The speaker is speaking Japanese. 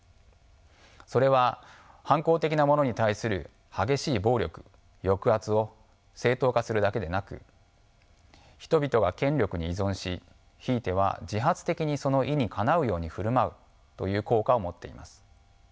それは反抗的な者に対する激しい暴力抑圧を正当化するだけでなく人々が権力に依存しひいては自発的にその意にかなうように振る舞うという効果を持っています。